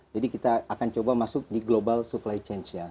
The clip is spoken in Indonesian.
jadi kita akan coba masuk di global supply chain nya